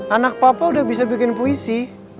anak papa udah bisa bikin puisi